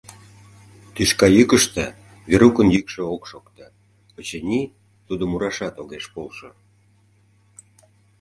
Тӱшка йӱкыштӧ Верукын йӱкшӧ ок шокто, очыни, тудо мурашат огеш полшо.